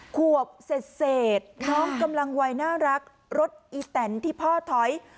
ขวบเศษน้องกำลังวัยน่ารักรถอีแตนที่พ่อถอย